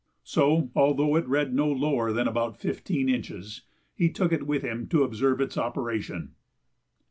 So, although it read no lower than about fifteen inches, he took it with him to observe its operation.